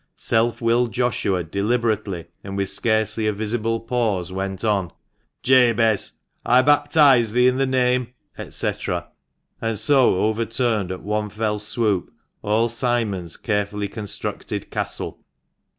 self willed Joshua deliberately, and with scarcely a visible pause, went on — 26 THE MANCHESTER MAN. "Jabez, I baptise thee in the name," &c., and so overturned, at one fell swoop, all Simon's carefully constructed castle.